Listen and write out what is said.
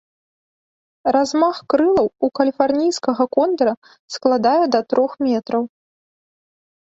Размах крылаў у каліфарнійскага кондара складае да трох метраў.